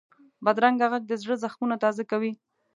بدرنګه غږ د زړه زخمونه تازه کوي